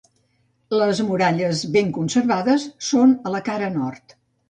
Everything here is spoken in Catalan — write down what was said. Les muralles ben conservades són a la cara nord.